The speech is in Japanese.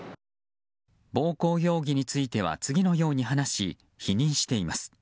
暴行容疑については次のように話し否認しています。